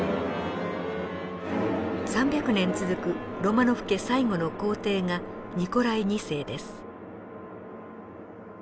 ３００年続くロマノフ家最後の皇帝がニコライ２世です。